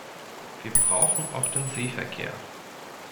Wir brauchen auch den Seeverkehr.